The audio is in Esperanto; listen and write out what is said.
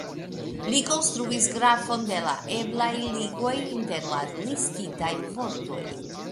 Li konstruis grafon de la eblaj ligoj inter la listitaj vortoj.